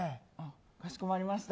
かしこまりました。